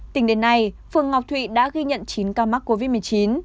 tính đến nay phường ngọc thụy đã ghi nhận chín ca mắc covid một mươi chín